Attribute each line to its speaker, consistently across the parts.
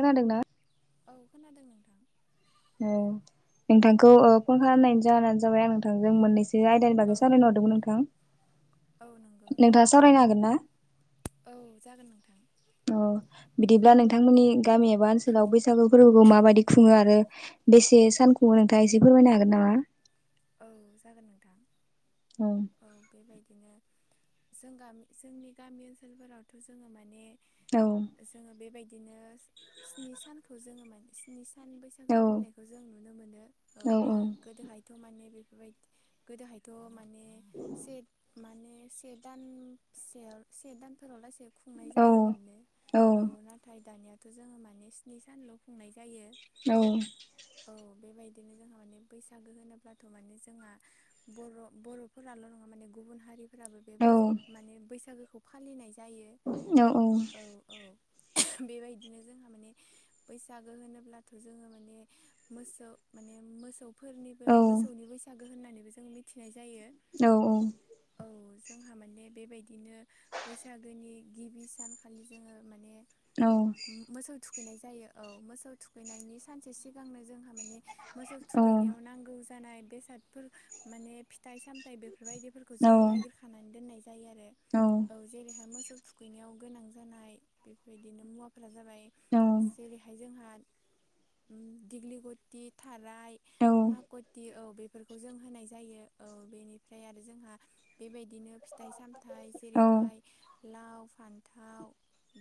Speaker 1: खोनादोंना?
Speaker 2: औ खोनादों नोंथां।
Speaker 1: औ नोंथांखौ ओ फन खालामनायनि जाहोनानो जाबाय आं नोंथांजों मोननैसो बे आयदानि
Speaker 2: औ
Speaker 1: बागै सावरायनो हरदोंमोन नोंथां
Speaker 2: औ नंगौ
Speaker 1: नोंथाङा सावरायनो हागोन ना?
Speaker 2: औ जागोन नोंथां।
Speaker 1: अ बिदिब्ला नोंथांमोननि गामि एबा ओनसोलाव बैसागु फोरबोखौ माबायदि
Speaker 2: औ
Speaker 1: खुङो आरो बेसे सान खुङो नोंथाङा एसे फोरमायनो हागोन नामा?
Speaker 2: औ जागोन नोंथां। औ बेबायदिनो जों गामि जोंनि गामि ओनसोलफोरावथ' जोङो माने
Speaker 1: औ।
Speaker 2: जोङो बेबायदिनो स्नि सानखौ जोङो मा स्नि सान बैसाग
Speaker 1: औ
Speaker 2: फालिनायखौ जों नुनो मोनो औ गोदोहाय थ' माने बेफोरबायदि गोदोहायथ' माने सेट माने सेट दानसेयाव से दानफोराहालासे खुंनाय
Speaker 1: औ
Speaker 2: जायोमोननो औ नाथाय दानिया थ' जोङो माने स्नि सानल' खुंनाय जायो।
Speaker 1: औ।
Speaker 2: औ बेबायदिनो जोंहा माने बैसागो होनो ब्लाथ' माने जोंहा बर' बर'फोराल' नङा माने गुबुन हारि फोराबो बे
Speaker 1: औ
Speaker 2: बै माने बैसागोखौ फालिनाय जायो
Speaker 1: औ
Speaker 2: औ। औ बेबायदिनो जोंहा माने बैसागो होनोब्लाथ' जोङो माने मोसौ माने मोसौफोरनि बो मोसौनि बैसागो होननानैबो जों मिथिनाय जायो।
Speaker 1: औ औ।
Speaker 2: औ जोंहा माने बेबायदिनो बैसागोनि गिबि सान खालि जोङो माने
Speaker 1: औ।
Speaker 2: मोसौ थुखैनाय जायो औ मोसौ थुखैनायनि सानसे सिगांनो जोंहा माने मोसौ थुखैनायाव
Speaker 1: औ
Speaker 2: नांगौ जानाय बेसादफोर माने फिथाइ सामथाइ बेफोरबायदिफोर खौ जोङो नागिरखानानै दोननाय जायो आरो।
Speaker 1: औ।
Speaker 2: औ जेरैहाय मोसौ थुखैनायाव गोनां जानाय बेफोरबायदिनो मुवाफोरा जाबाय जेरैहाय जोंहा दिग्लिगटि थाराय
Speaker 1: औ
Speaker 2: गथि औ बेफोरखौ जों होनाय जायो औ बेनिफ्राय आरो जोंहा बेबायदिनो फिथाइ सामथायाइ जेरैहाय लाव फान्थाव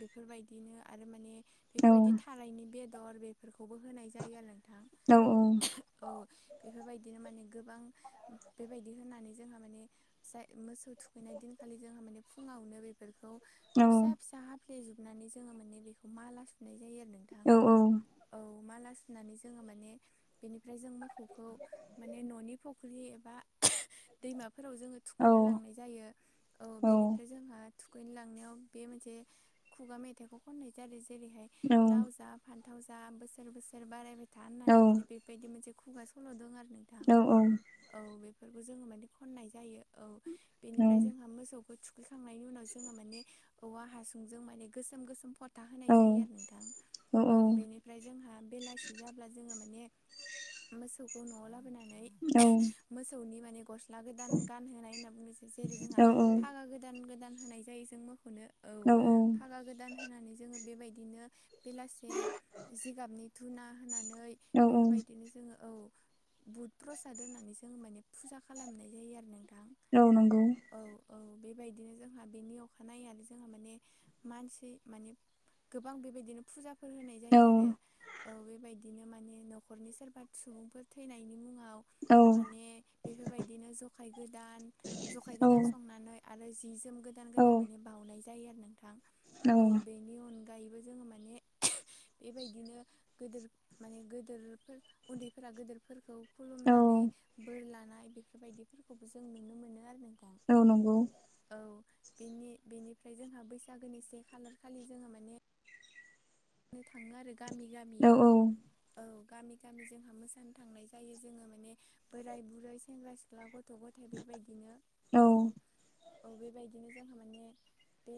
Speaker 2: बेफोरबायदिनो आरो माने बेफोरबायदि थारायनि बेदर बेफोरखौबो होनाय जायो आरो नोंथां
Speaker 1: औ औ
Speaker 2: औ बेफोरबायदिनो माने गोबां बेबायदि होनानै जोंहा माने जाय मोसौ थुखैनाय दिन खालि जोंहामाने फुङावनो बेफोरखौ
Speaker 1: औ
Speaker 2: फिसा फिसा हाफ्लेजोबनानै जोङो माने बेखौ माला सुनाय जायो आरो नोंथां
Speaker 1: औ औ
Speaker 2: औ मालासुनानै माने बेनिफ्राय जों मोखौ खौ माने न'नि फख्रि एबा [unintelligible] दैमाफोराव जोङो
Speaker 1: औ
Speaker 2: थुखैनो लांनाय जायो औ बेनिफ्राय जोंहा थुखैनोलांनायाव बे मोनसे खुगा मेथाइखौ खननाय जादों जेरैहाय
Speaker 1: नंगौ
Speaker 2: लाव जा फान्थाव जा बोसोर बोसोर बारायबाय था होननानै माने बेबायदि मोनसे खुगा सल'दों आरो नों थां औ बेफोरखौ जोङो माने खननाय जायो औ बेनिफ्राय जोंहा मोसौखौ थुखैखांनायनि उनाव जोंहा माने औवा हासुंजों माने गोसोम गोसोम फ था होनाय जायो आरो नोंथां। औ बेनिफ्राय जोंहा बेलासि जाब्ला जोङो माने मोसौखौ न'आव लाबोनानै
Speaker 1: औ
Speaker 2: मोसौनि माने गस्ला गोदान गानहोनाय होनना बुंनोसै जेरै जोंहा फागा गोदान गोदान होनाय जाय जों मोखौनो औ फागा गोदान होनानै जोङो बेबायदिनो बेलासे जिगाबनि धुना होनानै बेफोरबायदिनो जोङो औ बहुद प्रसाद होनानै जों माने फुजा खालामनाय जायो आरो नोंथां
Speaker 1: औ नंगौ
Speaker 2: औ औ बेबायदिनो जोंहा बेनि अखानायैनो जोंहा माने मानसि माने गोबां बेबायदिनो फुजाफोर होनाय जायो आरो औ बेबायदिनो माने न'खरनि सोरबा सुबुंफोर थैनायनि मुङाव माने बेफोरबायदिनो जखाय गोदान जखाय गोदान संनानै आरो जि जोम गोदान गोदान माने बाउनाय जायो आरो नोंथां औ बेनि अन गायैबो जोङो माने [unintelligible] बेबायदिनो गोदोर माने गोदोरफोर उन्दैफोरा गिदिरफोरखौ खुलुमनानै बोर लानाय बेफोरबायदि फोरखौबो जों नुनो आरो नोंथां
Speaker 1: औ नंगौ
Speaker 2: औ बेनि बेनिफ्राय जोंहा बैसागोनि से खालि जोङो माने नो थाङो आरो गामि गामि औ गामि गामि जोंहा मोसानो थांनाय जायो जोङो माने बोराय बुरै सेंग्रा सिख्ला ब्ला गथ गथाइ बेबायदिनो औ औ बेबायदिनो जोंहा माने बे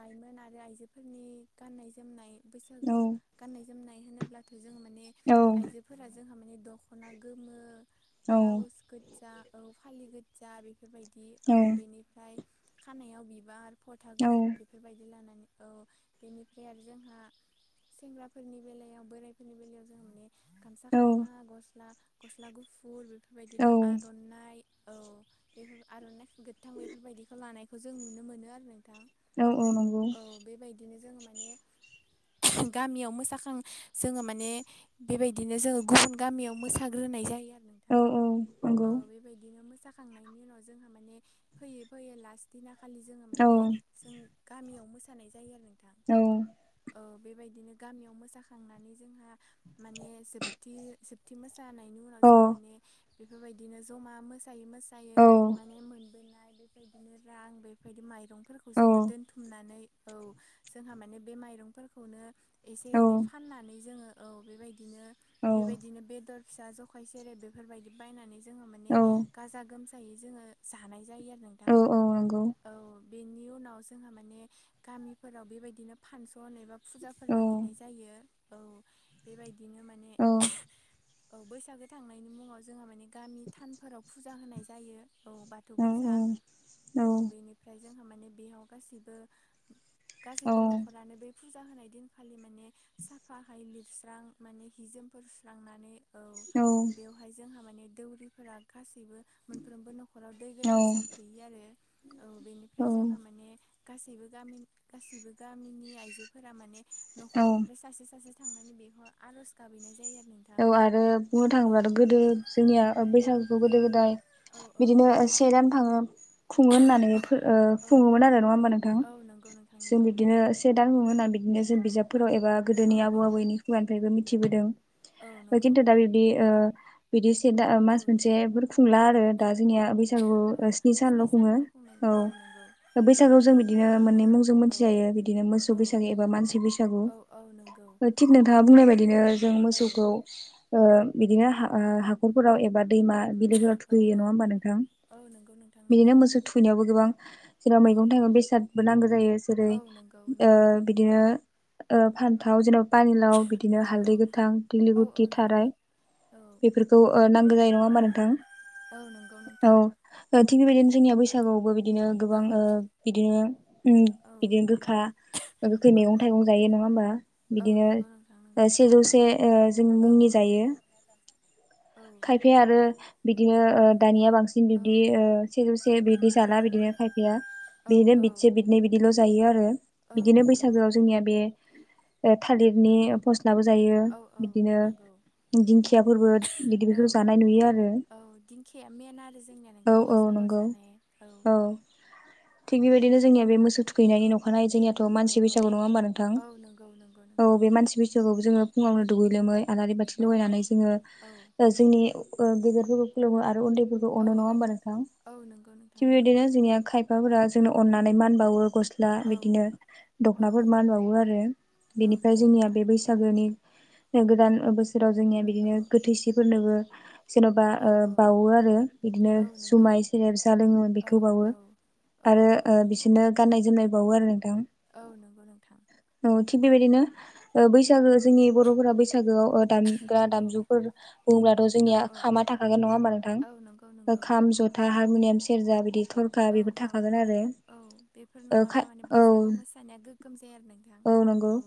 Speaker 2: लाइमोन आरो आइजोफोरनि गाननाय जोमनाय बैसागो गाननाय जोमनाय होनोब्लाथ' जोङो माने आइजो फोरा जोंहा माने दख'ना गोमो ब्लाउस गोजा औ फालि गोजा बे बेफोरबायदि औ बेनिफ्राय खानायाव बिबार फ'था गोजा बेफोरबायदि लानानै औ बेनिफ्राय आरो जोंहा सेंग्राफोरनि बेलायाव बोराइफोरनि बेलायाव जों माने गामसा खायमा गस्ला गस्ला गुफुर बेफोरबायदिनो आरननाय औ बेफोर आर'ननाय गोथां बेफोरबायदिखौ लानायखौ जों नुनो मोनो आरो नोंथां औ बेबायदिनो जोंङो माने गामियाव मोसाखां जोंङो माने बेबायदिनो जोङो गुबुन गामियाव मोसाग्रोनाय जायो आरो थां औ बेबायदिनो मोसाख खांनायनि उनाव जोंहा माने फैयै फैयै लास्ट दिना खालि जोङो माने जों गामियाव मोसानाय जायो आरो नोंथां
Speaker 1: औ
Speaker 2: बेबायदिनो गामियाव मोसाखांनानै जोंहा माने जोबथि जोबथि मोसानायनि उनाव जोङो माने बेफोरबायदिनो जमा मोसायै मोसायै माने मोनबोनाय बेबायदिनो रां बेफोरबायदि माइरं फोरखौ जोङो दोनथुमनानै औ जोंहा माने बे माइरंफोरखौनो एसे एनै फाननानै जोङो औ बेबायदिनो बेबायदिनो बेदर फिसा जखाय सेरेब बे फोरबायदि बायनानै जोङो माने गाजा गोमजायै जोङो जानाय जायो आरो नों औ बेनि उनाव जोंहा माने गामिफोराव बेबायदिनो फानस सन एबा फुजाफोर लाखिनाय जायो औ बेबायदिनो माने
Speaker 1: औ
Speaker 2: औ बैसागो थांनायनि मुङाव जोंहा माने गामि थानफोराव फुजा होनाय जायो औ बाथौ
Speaker 1: औ
Speaker 2: फुजा औ बेनि ओमफ्राय जोंहा माने बेयाव गासिबो
Speaker 1: औ
Speaker 2: गासैबो न'खरानो बे फुजा होनाय दिनखालि माने साफाहाय लिरस्रां माने हि जोमफोर सुस्रांनानै औ बेवहाय जोंहा माने दौरिफोरा गासैबो मोनफ्रोमबो न'खराव दै
Speaker 1: औ
Speaker 2: गोथार सारफैयो आरो औ बेनिफ्राय जोंहा
Speaker 1: औ
Speaker 2: माने गासैबो गामिन गासैबो गामिनि आइजोफोरा माने
Speaker 1: औ
Speaker 2: न'खरनिफ्राय सासे सासे थांनानै बेखौ आर'ज गाबहैनाय जायो आरो नोंथां
Speaker 1: औ आरो बुंनो
Speaker 2: औ
Speaker 1: थाङोब्लााथ गोदो जोंनिया ओ बैसागुखौ गोदो गोदाय
Speaker 2: औ औ
Speaker 1: बिदिनो से दान थाङो खुङो होननानै फोर ओ
Speaker 2: औ
Speaker 1: खुङोमोन आरो नङा होमबा नोंथां
Speaker 2: औ नंगौ नोंथां
Speaker 1: जों
Speaker 2: नंगौ
Speaker 1: बिदिनो स से दान खुङो होनना बिदिनो जों बिजाबफोराव एबा गोदोनि
Speaker 2: औ औ
Speaker 1: आबौ आबौनि खुगानिफ्रायबो मिथिबोदों
Speaker 2: औ
Speaker 1: ओमफ्राय
Speaker 2: नंगौ
Speaker 1: खिनतु दा बिबदि ओ बिदि सि दा ओ
Speaker 2: औ
Speaker 1: मास मोनसेफोर खुंला आरो दा जोंनिया बैसागु ओ स्नि सानल' खुङो औ ओ बैसागआव जों बिदिनो मोननै मुंजों
Speaker 2: औ
Speaker 1: मोनथिजायो बिदिनो
Speaker 2: औ
Speaker 1: मोसौ बैसागु एबा मानसि बैसागु
Speaker 2: औ औ नोंगौ
Speaker 1: थिग नोंथाङा बुंनाय बायदिनो जों मोसौखौ ओ बिदिनो ओ हाखर राव एबा दैमा बिलोफोराव
Speaker 2: औ
Speaker 1: थुखैहैयो
Speaker 2: औ
Speaker 1: नङा होमबा नोंथां
Speaker 2: औ नंगौ नोंथां
Speaker 1: बिदिनो
Speaker 2: नंगौ
Speaker 1: मोसौ थुैनायावबो गोबां जेराव
Speaker 2: औ
Speaker 1: मैगं थाइगं बेसादबो नांगौ जायो जेरै
Speaker 2: औ नंगौ
Speaker 1: ओ
Speaker 2: नंगौ
Speaker 1: बिदिनो ओ फानथाव जेनेबा पानिलाव
Speaker 2: औ
Speaker 1: बिदिनो
Speaker 2: औ
Speaker 1: हालदै गोथां दिगिलि
Speaker 2: औ औ
Speaker 1: गुति
Speaker 2: नंगौ
Speaker 1: थाराय
Speaker 2: औ
Speaker 1: बेफोरखौ ओ नांगौ जायो नङा होमबा
Speaker 2: औ नंगौ
Speaker 1: नोंथां औ
Speaker 2: नोंथां
Speaker 1: ओ थिग बेबायदिनो जोंनिया बैसागुआवबो बिदिनो
Speaker 2: औ
Speaker 1: गोबां ओ बिदिनो उम
Speaker 2: औ
Speaker 1: बिदिनो गोखा ओ गोखै
Speaker 2: औ
Speaker 1: मैगं
Speaker 2: औ
Speaker 1: थाइगं जायो नङा होमबा
Speaker 2: औ
Speaker 1: बिदिनो
Speaker 2: नंगौ नोंथां
Speaker 1: ओ
Speaker 2: नंगौ
Speaker 1: सेजौसे ओ जों
Speaker 2: औ
Speaker 1: मुंनि
Speaker 2: औ
Speaker 1: जायो
Speaker 2: औ
Speaker 1: खाइफ फाया आरो बिदिनो ओ दानिया बांसिन
Speaker 2: औ
Speaker 1: बिबदि ओ सेजौसे बिबदि जाला बिदिनो खायफैया
Speaker 2: औ
Speaker 1: बिदिनो
Speaker 2: औ
Speaker 1: बि जसे बिदनै बिदिल' जायो आरो
Speaker 2: औ
Speaker 1: बिदिनो
Speaker 2: नंगौ
Speaker 1: बैसागोआव जोंनिया बे
Speaker 2: औ
Speaker 1: थालिरनि फस्लाबो जायो। बिदिनो
Speaker 2: नंगौ।
Speaker 1: दिंखियाफोरबो बिदि
Speaker 2: औ
Speaker 1: बेखौ जानाय नुयो आरो
Speaker 2: औ दिंखिाया मेन आरो
Speaker 1: औ
Speaker 2: जोंनिया।
Speaker 1: औ
Speaker 2: बैसागु
Speaker 1: नंगौ
Speaker 2: जानाय औ।
Speaker 1: थिग बेबायदिनो जोंनिया बे मोसौ थुखैनायनि नखानाय जोंनिया। थ'
Speaker 2: औ
Speaker 1: मानसि
Speaker 2: औ
Speaker 1: बैसागु नङा होमबा नोंथां
Speaker 2: औ नंगौ नंगौ
Speaker 1: औ
Speaker 2: नोंथां
Speaker 1: बे मानसि बैसागुखौ जोङो। फुङावनो दुगै लोमै आलारि बाथि
Speaker 2: औ औ
Speaker 1: लगायनानै जोङो।
Speaker 2: औ
Speaker 1: जोंनि गेदेरफोरखौ खुलुमङो आरो उन्दैफोरखौ। अनो
Speaker 2: औ
Speaker 1: नङा
Speaker 2: औ
Speaker 1: हबा नोंथां
Speaker 2: औ नंगौ नोंथां
Speaker 1: थिग
Speaker 2: नंगौ
Speaker 1: बेबायदिनो जोंनिया खायफाफोरा जोंनो अननानै मान बावो गस्ला दा
Speaker 2: औ
Speaker 1: बिदिनो दख'नाफोर
Speaker 2: नंगौ
Speaker 1: मान बावो आरो
Speaker 2: औ
Speaker 1: बेनिफ्राय
Speaker 2: नंगौ
Speaker 1: जोंनिया
Speaker 2: नोंथां
Speaker 1: बे बैसागोनि। गोदान बोसोराव जोंनिया
Speaker 2: औ
Speaker 1: बिदिनो गोथैसिफोरनोबो। जेन'बा
Speaker 2: औ औ
Speaker 1: बावो आरो बिदिनो
Speaker 2: औ नंगौ
Speaker 1: जुमाय सेरेब जा लोङोमोन
Speaker 2: औ
Speaker 1: बेखौ बावो।
Speaker 2: औ औ
Speaker 1: आरो
Speaker 2: नंगौ
Speaker 1: ओ बिसोरनो गाननाय जोमनाय बावो आरो नोंथां
Speaker 2: औ नंगौ नोंथां
Speaker 1: औ थिग बेबायदिनो ओ बैसागो जोंनि बर'फोरा बैसागोआव दा ग्रा
Speaker 2: औ
Speaker 1: दामजुफोर बुंब्लाथ'
Speaker 2: औ
Speaker 1: जोंनिया
Speaker 2: औ
Speaker 1: खामा थाखागोन नङा होमब्ला
Speaker 2: औ नंगौ
Speaker 1: नोंथां
Speaker 2: नंगौ
Speaker 1: खाम ज ओ हारमुनियाम सेरजा बिदि थरखा
Speaker 2: औ
Speaker 1: बेफोर
Speaker 2: औ
Speaker 1: थाखागोन आरो
Speaker 2: औ बेफोर
Speaker 1: ओ खा
Speaker 2: नङाब्ला माने
Speaker 1: औ
Speaker 2: बैसागो मोसानाया गोगोम जाया आरो नोंथां औ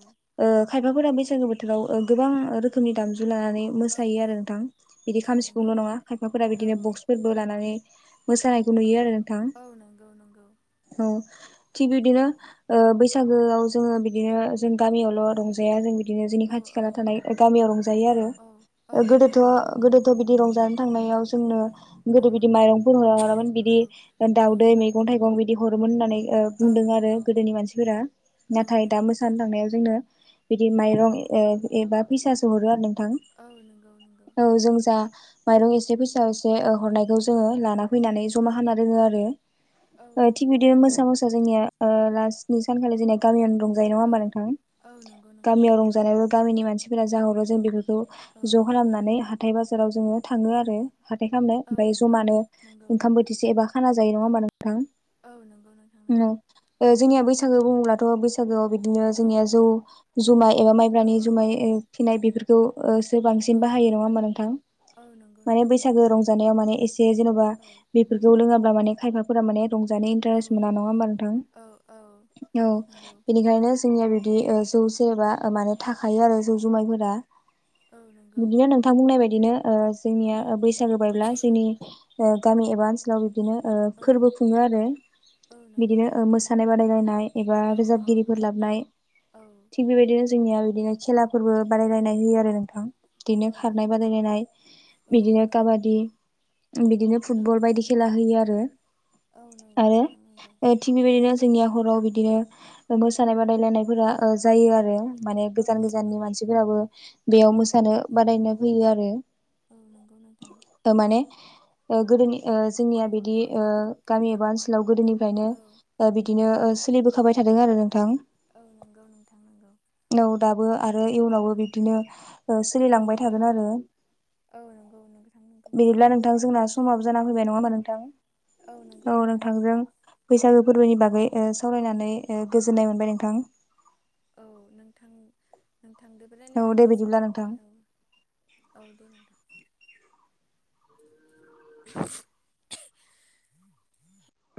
Speaker 1: ओ खायफाफोरा बैसागो बोथोराव ओ गोबां रोखोमनि दामजु लानानै मोसायो
Speaker 2: औ
Speaker 1: आरो नोंथां बिदि
Speaker 2: औ
Speaker 1: खाम
Speaker 2: नंगौ
Speaker 1: सिफुंल' नङा खायफाफोरा
Speaker 2: औ
Speaker 1: बिदिनो बक्सफोरबो लानानै। मोसानायखौ
Speaker 2: औ
Speaker 1: नुयो आरो नोंथां
Speaker 2: औ नंगौ नंगौ
Speaker 1: औ थिग बिदिनो ओ बैसागोआव जोङो बिदिनो जों गामियावल' रंजाया जों बि बिदिनो जोंनि
Speaker 2: औ
Speaker 1: खाथि
Speaker 2: औ
Speaker 1: खाला थानाय गामियाव रंजायो
Speaker 2: औ
Speaker 1: आरो
Speaker 2: औ औ नंगौ
Speaker 1: गोदोथ'। गोदोथ' बिदि रंजानो थांनायाव जोंनो।
Speaker 2: औ
Speaker 1: गोदो बिदि माइरंफोर हरामोन बिदि
Speaker 2: औ औ
Speaker 1: दाउदै मैगं थाइगं बिदि हरोमोन होन्नानै ओ
Speaker 2: औ
Speaker 1: बुंदों आरो
Speaker 2: नंगौ
Speaker 1: गोदोनि मानसिफोरा
Speaker 2: औ
Speaker 1: नाथाय दा
Speaker 2: नंगौ नोंथां
Speaker 1: मोसानो थांनायाव जोंनो बिदि
Speaker 2: औ
Speaker 1: माइरं ओ एबा फैसासो हरो आरो नोंथां।
Speaker 2: औ नंगौ नंगौ।
Speaker 1: औ जों जा माइरं एसे फैसा एसे हरनायखौ जोङो
Speaker 2: औ
Speaker 1: लाना फैनानै जमा खालामना दोनो आरो।
Speaker 2: औ
Speaker 1: ओ
Speaker 2: नंगौ
Speaker 1: थिग बिदि
Speaker 2: नोंथां
Speaker 1: मोसा
Speaker 2: नंगौ
Speaker 1: मोसा जोंनिया ओ स्नि सानखालि जोंनिया गामियावनो रं जयो नङ
Speaker 2: औ
Speaker 1: होमबा नोंथां
Speaker 2: औ नंगौ नोंथां
Speaker 1: गामियाव रं
Speaker 2: नंगौ
Speaker 1: आरो गामिनि मानसिफोरा जा हरो जों बेफोरखौ
Speaker 2: औ
Speaker 1: ज' खालामनानै हाथाय बाजाराव जोङो थाङो आरो। हाथाय खालामनो
Speaker 2: औ
Speaker 1: ओमफ्राय
Speaker 2: नंगौ
Speaker 1: जमानो
Speaker 2: नंगौ
Speaker 1: ओंखाम बोथिसे एबा खाना जायो नङा होमबा नोंथां
Speaker 2: औ नंगौ नोंथां
Speaker 1: ओ
Speaker 2: नंगौ
Speaker 1: जोंनिया बैसागो बुङोब्लाथ' बैसागु बैसागोआव बिदिनो जोंनिया
Speaker 2: औ
Speaker 1: जौ जुमाय एबा
Speaker 2: औ
Speaker 1: माइब्रानि जुमाय
Speaker 2: औ
Speaker 1: फिनाय बेफोरखौ। ओ सोर बांसिन
Speaker 2: औ औ
Speaker 1: बाहायो नङा होमबा नोंथां
Speaker 2: औ नंगौ
Speaker 1: माने
Speaker 2: नोंथां
Speaker 1: बैसागो
Speaker 2: नंगौ
Speaker 1: रंजानायाव माने एसे जेन'बा
Speaker 2: औ
Speaker 1: बेफोरखौ लोङाब्ला माने खायफा माने रंजानो
Speaker 2: औ
Speaker 1: इन्टारेस मोना नङा होमबा
Speaker 2: औ औ
Speaker 1: नोंथां औ
Speaker 2: नंगौ
Speaker 1: बेनिखायनो। जोंनिया बिदि ओ जौ सेरबा माने थाखायो आरो जौ जुमायफोरा।
Speaker 2: औ नंगौ
Speaker 1: बिदिनो नोंथां बुंनायबादिनो। ओ
Speaker 2: औ
Speaker 1: जोंनिया बैसागो बायब्ला जोंनि ओ गामि एबा ओनसोलाव। बिदिनो ओ
Speaker 2: औ
Speaker 1: फोरबो खुङो आरो।
Speaker 2: औ नंगौ
Speaker 1: बिदिनो
Speaker 2: नोंथां
Speaker 1: मोसानाय बादायलायनाय एबा
Speaker 2: औ औ
Speaker 1: रोजाबगिरिफोर लाबनाय
Speaker 2: औ
Speaker 1: थिग बेबायदिनो। जोंनिया बिदिनो खेलाफोरबो बादायलायनाय होयो आरो नोंथां। बिदिनो
Speaker 2: औ
Speaker 1: खारनाय बादायलायनाय,
Speaker 2: औ
Speaker 1: बिदिनो
Speaker 2: नंगौ
Speaker 1: काबादि बिदिनो
Speaker 2: औ
Speaker 1: फुटबल बायदि खेला होयो आरो
Speaker 2: औ नंगौ
Speaker 1: आरो
Speaker 2: नोंथां नंगौ
Speaker 1: ओ थिग बेबायदिनो जोंनिया हराव बिदिनो मोसानाय बादायलायनायफोरा ओ जायो आरो माने
Speaker 2: औ
Speaker 1: गोजान
Speaker 2: नंगौ
Speaker 1: गोजाननि मानसिफोराबो बेयाव
Speaker 2: औ
Speaker 1: मोसानो बादायनो फैयो आरो
Speaker 2: औ नंगौ नोंथां।
Speaker 1: ओ माने ओ गोदोनि ओ जोंनिया बिदि ओ गामि एबा ओनसोलाव गोदोनि फ्रायनो
Speaker 2: औ
Speaker 1: ओ
Speaker 2: औ
Speaker 1: बिदिनो सोलिबोखाबाय थादों आरो नोंथां।
Speaker 2: औ नंगौ नोंथां नोंगौ।
Speaker 1: औ दाबो आरो इयुनावबो बिदिनो ओ
Speaker 2: औ
Speaker 1: सोलिलांबाय
Speaker 2: औ
Speaker 1: थागोन
Speaker 2: औ
Speaker 1: आरो।
Speaker 2: औ नंगौ नोंथां नंगौ
Speaker 1: बिदिब्ला
Speaker 2: सोलिलांबाय
Speaker 1: नोंथां जोंना
Speaker 2: थागोनखौ जों नुनो
Speaker 1: समाबो जाना
Speaker 2: मोनगोन
Speaker 1: फैबाय नङा
Speaker 2: औ
Speaker 1: होमबा नोंथां?
Speaker 2: नंगौ
Speaker 1: औ
Speaker 2: नोंथां
Speaker 1: नोंथांजों
Speaker 2: नंगौ
Speaker 1: बैसागो फोरबोनि
Speaker 2: औ
Speaker 1: बागै ओ सावरायनानै ओ गोजोननाय मोनबाय नोंथां।
Speaker 2: औ नोंथां नोंथांदोबो
Speaker 1: औ
Speaker 2: राय्लायनानै
Speaker 1: दे
Speaker 2: गोजोननाय
Speaker 1: बिदिब्ला नोंथां
Speaker 2: मोनबाय औ। औ दे नोंथां। [unintelligible]